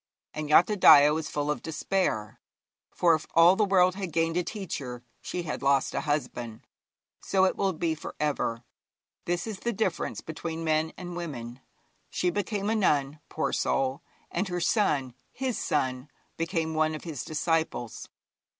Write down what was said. And Yathodaya was full of despair, for if all the world had gained a teacher, she had lost a husband. So it will be for ever. This is the difference between men and women. She became a nun, poor soul! and her son his son became one of his disciples.